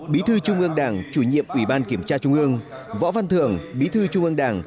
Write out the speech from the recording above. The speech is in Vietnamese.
bí thư trung ương đảng chủ nhiệm ủy ban kiểm tra trung ương võ văn thường bí thư trung ương đảng